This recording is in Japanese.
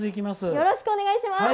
よろしくお願いします。